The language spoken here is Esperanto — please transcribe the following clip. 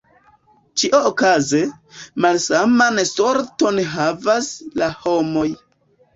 Ĉio okazas, malsaman sorton havas la homoj!